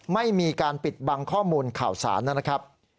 ไม่มีการปิดบังข้อมูลข่าวสารนะครับ